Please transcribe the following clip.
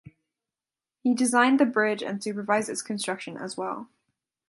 He designed the bridge and supervised its construction as well.